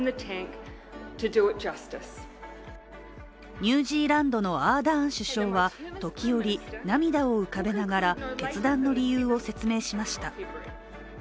ニュージーランドのアーダーン首相は時折、涙を浮かべながら決断の理由を説明しました。